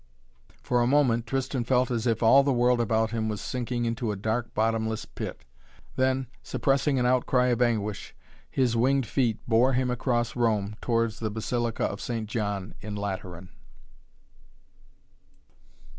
For a moment Tristan felt as if all the world about him was sinking into a dark bottomless pit. Then, suppressing an outcry of anguish, his winged feet bore him across Rome towards the Basilica of St. John in Lateran.